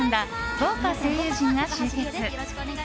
豪華声優陣が集結！